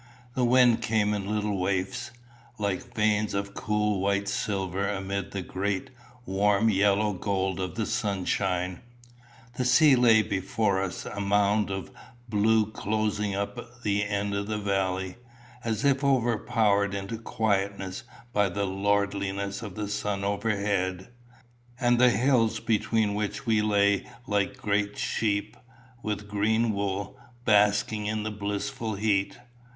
The wind came in little wafts, like veins of cool white silver amid the great, warm, yellow gold of the sunshine. The sea lay before us a mound of blue closing up the end of the valley, as if overpowered into quietness by the lordliness of the sun overhead; and the hills between which we went lay like great sheep, with green wool, basking in the blissful heat.